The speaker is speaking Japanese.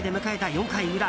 ４回裏。